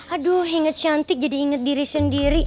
aduh inget cantik jadi inget diri sendiri